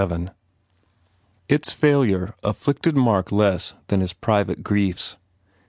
Its failure afflicted Mark less than his private griefs.